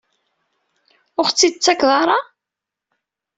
Ur aɣ-t-id-tettakeḍ ara?